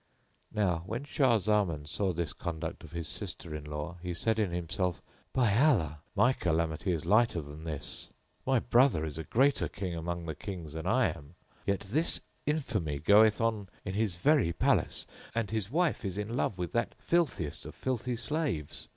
Now, when Shah Zaman saw this conduct of his sister in law he said in himself, "By Allah, my calamity is lighter than this! My brother is a greater King among the kings than I am, yet this infamy goeth on in his very palace, and his wife is in love with that filthiest of filthy slaves.